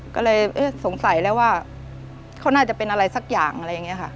ก็เลยสงสัยแล้วว่าเขาน่าจะเป็นอะไรสักอย่างอะไรอย่างนี้ค่ะ